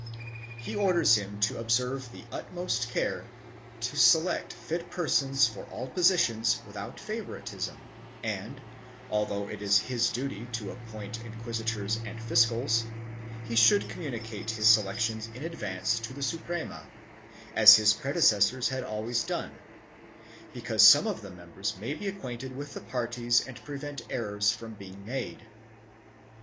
He orders him to observe the utmost care to select fit persons for all positions without favoritism and, although it is his duty to appoint inquisitors and fiscals, he should communicate his selections in advance to the Suprema, as his predecessors had always done, because some of the members may be acquainted with the parties and prevent errors from being made.